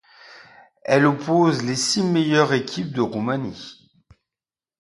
Elle oppose les six meilleures équipes de Roumanie.